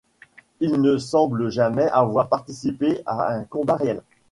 Il ne semble jamais avoir participé à un combat réel.